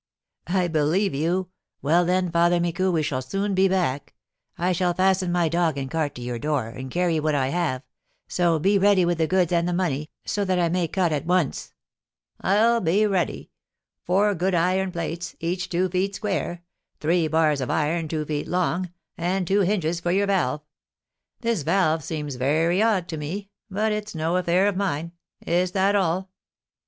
"I believe you. Well, then, Father Micou, we shall soon be back. I shall fasten my dog and cart to your door, and carry what I have; so be ready with the goods and the money, so that I may cut at once." "I'll be ready. Four good iron plates, each two feet square, three bars of iron two feet long, and two hinges for your valve. This valve seems very odd to me; but it's no affair of mine. Is that all?"